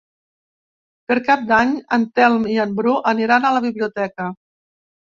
Per Cap d'Any en Telm i en Bru aniran a la biblioteca.